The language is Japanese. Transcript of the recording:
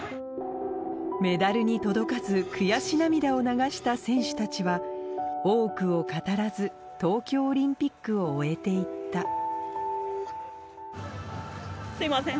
メダルに届かず悔し涙を流した選手たちは多くを語らず東京オリンピックを終えて行ったすいません